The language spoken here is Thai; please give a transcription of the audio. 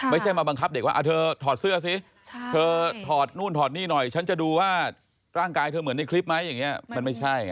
ไม่ใช่มาบังคับเด็กว่าเธอถอดเสื้อสิเธอถอดนู่นถอดนี่หน่อยฉันจะดูว่าร่างกายเธอเหมือนในคลิปไหมอย่างนี้มันไม่ใช่